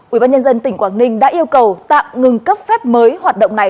ubnd tỉnh quảng ninh đã yêu cầu tạm ngừng cấp phép mới hoạt động này